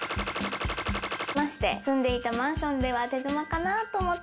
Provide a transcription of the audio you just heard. まして住んでいたマンションでは手狭かなと思って。